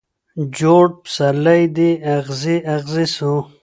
جوړ پسرلی دي اغزی اغزی سو